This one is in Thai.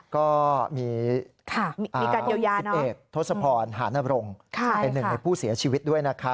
ก็มีสิบเอกทศพรหานบรงเป็นหนึ่งในผู้เสียชีวิตด้วย